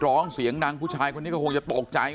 ร้องเสียงดังผู้ชายคนนี้ก็คงจะตกใจ